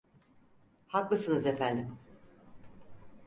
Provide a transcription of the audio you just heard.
Haklısınız efendim.